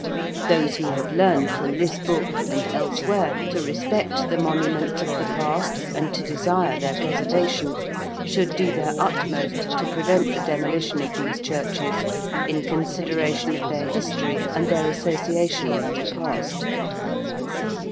Those who have learned from this book, and elsewhere, to respect the monuments of the past and to desire their preservation, should do their utmost to prevent the demolition of these churches, in consideration of their history and their association with the past.